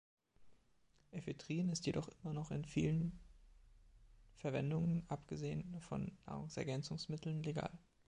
Ephedrin ist jedoch immer noch in vielen Verwendungen abgesehen von Nahrungsergänzungsmitteln legal.